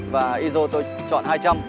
và iso tôi chọn hai trăm linh